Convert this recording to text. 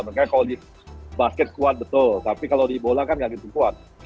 makanya kalau di basket kuat betul tapi kalau di bola kan nggak gitu kuat